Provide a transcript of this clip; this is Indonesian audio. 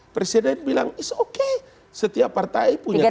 presiden bilang is oke setiap partai punya keunangan